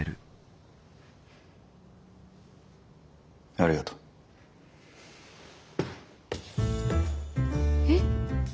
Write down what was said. ありがとう。えっ？